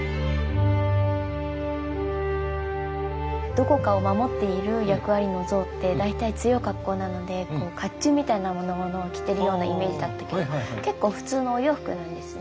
どこかを守っている役割の像って大体強い格好なのでかっちゅうみたいなものを着てるようなイメージだったけど結構普通のお洋服なんですね。